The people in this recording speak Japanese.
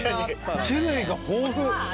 種類が豊富。